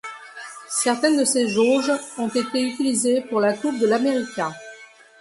Certaines de ces jauges ont été utilisées pour la Coupe de l'America.